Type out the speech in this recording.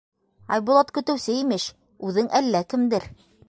Айбулат көтөүсе имеш, үҙең әллә кемдер!